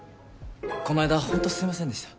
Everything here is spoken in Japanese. この間本当すいませんでした。